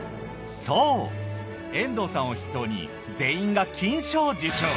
そう遠藤さんを筆頭に全員が金賞を受賞。